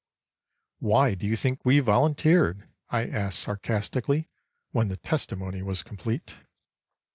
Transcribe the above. "Why do you think we volunteered?" I asked sarcastically, when the testimony was complete.